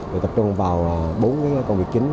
để tập trung vào bốn công việc chính